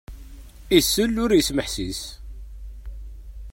Isell ur yesmeḥsis!